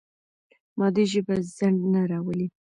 مادي ژبه ځنډ نه راولي.